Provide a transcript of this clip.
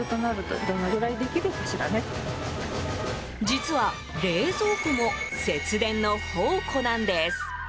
実は、冷蔵庫も節電の宝庫なんです。